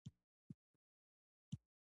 مږور او خواښې دواړه جنګونه کوي